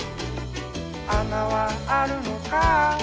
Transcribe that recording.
あなはあるのか？」